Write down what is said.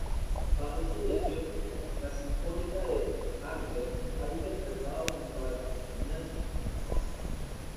Bajo su dirección, la Sinfónica de Bamberg ha interpretado junto a las Sinfonías Nos.